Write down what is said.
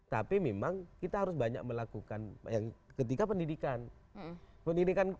tapi memang kita harus banyak melakukan yang ketika pendidikan